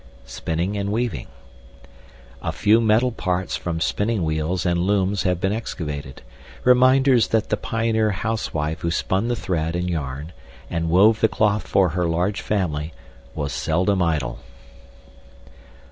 SPINNING AND WEAVING A few metal parts from spinning wheels and looms have been excavated reminders that the pioneer housewife who spun the thread and yarn, and wove the cloth for her large family, was seldom idle.